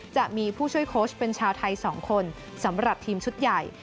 จะมีผู้ช่วยโค้ชเป็นชาวไทย๒คนสำหรับทีมชุดใหญ่